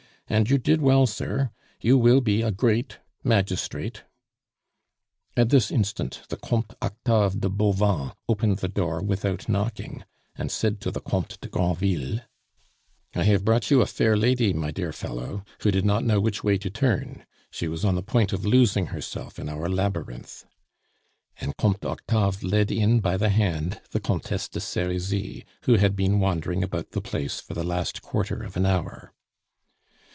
And you did well, sir; you will be a great magistrate." At this instant the Comte Octave de Bauvan opened the door without knocking, and said to the Comte de Granville: "I have brought you a fair lady, my dear fellow, who did not know which way to turn; she was on the point of losing herself in our labyrinth " And Comte Octave led in by the hand the Comtesse de Serizy, who had been wandering about the place for the last quarter of an hour.